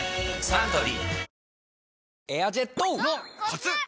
サントリーエアジェットォ！のコツ！